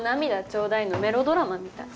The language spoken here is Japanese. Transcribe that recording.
ちょうだいのメロドラマみたい。